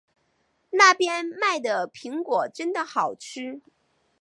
那边卖的苹果真的好吃